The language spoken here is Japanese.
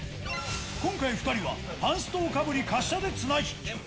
今回、２人はパンストをかぶり滑車で綱引き。